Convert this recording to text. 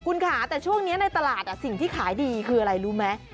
คุณค่ะแต่ช่วงนี้ในตลาดสิ่งที่ขายดีคืออะไรรู้ไหม